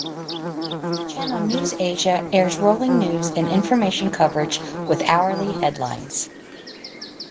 Channel NewsAsia airs rolling news and information coverage with hourly headlines.